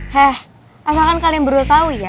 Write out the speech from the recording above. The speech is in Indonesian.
heh asalkan kalian berdua tau